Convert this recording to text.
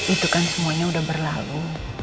itu kan semuanya sudah berlalu